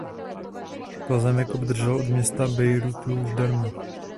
Pozemek obdržel od města Bayreuthu zdarma.